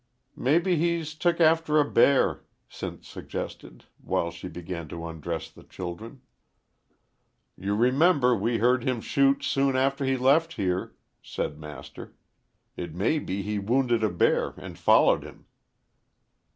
"Mebbe he's took after a bear," Sinth suggested, while she began to undress the children. "You remember we heard him shoot soon after he left here," said Master. "It may be he wounded a bear and followed him."